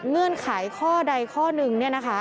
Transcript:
เงื่อนไขข้อใดข้อหนึ่ง